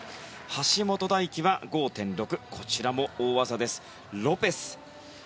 橋本大輝は５．６こちらも大技です、ロペス。